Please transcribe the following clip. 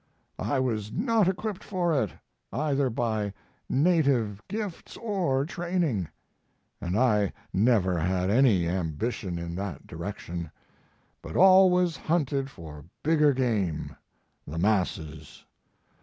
I was not equipped for it either by native gifts or training. And I never had any ambition in that direction, but always hunted for bigger game the masses.